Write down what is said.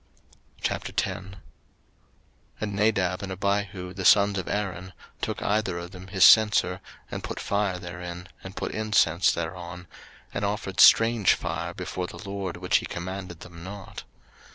03:010:001 And Nadab and Abihu, the sons of Aaron, took either of them his censer, and put fire therein, and put incense thereon, and offered strange fire before the LORD, which he commanded them not.